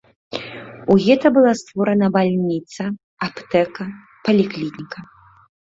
У гета была створана бальніца, аптэка, паліклініка.